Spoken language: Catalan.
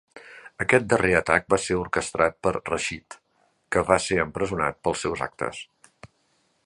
Aquest darrer atac va ser orquestrat per Rashid, que va ser empresonat pels seus actes.